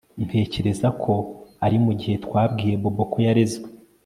Ntekereza ko ari mugihe twabwiye Bobo ko yarezwe